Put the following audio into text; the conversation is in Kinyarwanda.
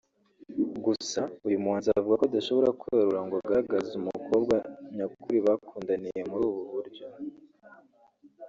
Gusa uyu muhanzi avuga ko adashobora kwerura ngo agaragaze umukobwa nyakuri bakundaniye muri ubu buryo